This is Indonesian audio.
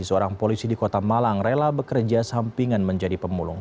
seorang polisi di kota malang rela bekerja sampingan menjadi pemulung